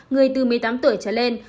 người từ một mươi tám tuổi trở lên